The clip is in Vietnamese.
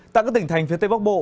tại các tỉnh thành phía tây bắc bộ